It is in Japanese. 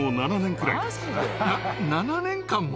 な７年間も。